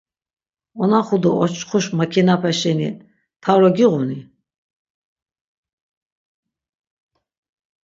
Onaxu do oçxuş makinape şeni taro giğuni?